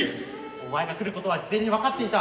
お前が来ることは事前に分かっていた！